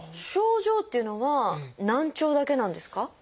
症状っていうのは難聴だけなんですか？